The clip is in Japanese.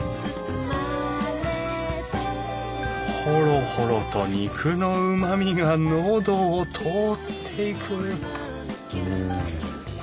ホロホロと肉のうまみが喉を通っていくうん！